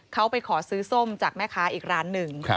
เขาไปขอซื้อส้มจากแม่ค้าอีกร้านหนึ่ง